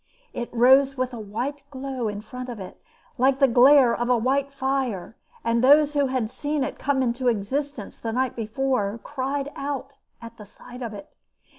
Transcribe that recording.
It rose with a white glow in front of it, like the glare of a white fire, and those who had seen it come into existence the night before cried out at the sight of it.